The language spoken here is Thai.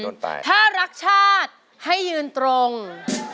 ด้านล่างเขาก็มีความรักให้กันนั่งหน้าตาชื่นบานมากเลยนะคะ